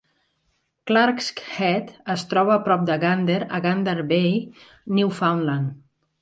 Clarke's Head es troba a prop de Gander a Gander Bay, Newfoundland.